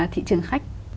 thị trường khách